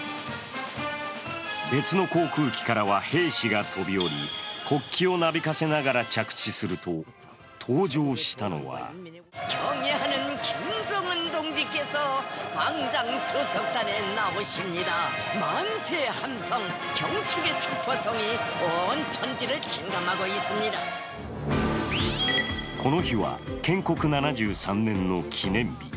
別の航空機からは兵士が飛び降り、国旗をなびかせながら着地すると、登場したのはこの日は建国７３年の記念日。